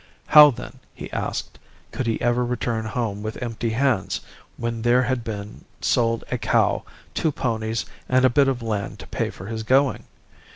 How then, he asked, could he ever return home with empty hands when there had been sold a cow, two ponies, and a bit of land to pay for his going?